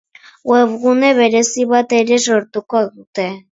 Webgune berezi bat ere sortuko dute.